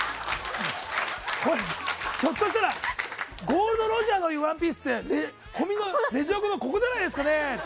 ひょっとしたらゴールド・ロジャーが集めたワンピースって、レジ横のここじゃないですかねって。